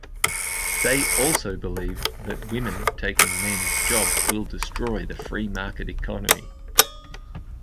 They also believe that women taking men's jobs will destroy the free market economy.